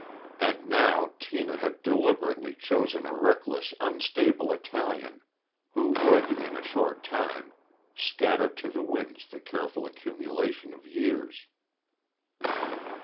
And now Tina had deliberately chosen a reckless, unstable Italian who would, in a short time, scatter to the winds the careful accumulation of years.